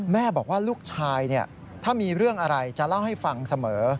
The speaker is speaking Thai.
แม่บอกว่าลูกชายถ้ามีเรื่องอะไรจะเล่าให้ฟังเสมอ